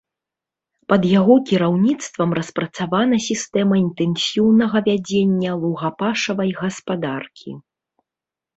Пад яго кіраўніцтвам распрацавана сістэма інтэнсіўнага вядзення лугапашавай гаспадаркі.